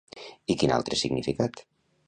I quin altre significat?